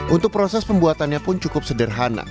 untuk proses pembuatannya pun cukup sederhana